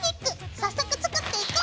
早速作っていこう！